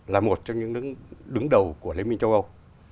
là một trong những nước đứng đầu của liên minh châu âu